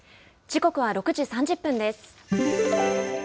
時刻は６時３０分です。